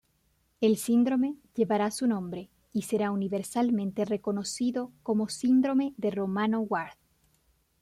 El síndrome llevará su nombre y será universalmente reconocido como síndrome de Romano-Ward.